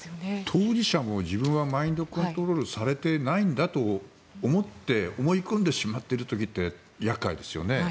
当事者も自分はマインドコントロールされていないんだと思い込んでしまっている時って厄介ですよね。